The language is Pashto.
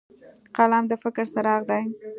قلم د فکر څراغ دی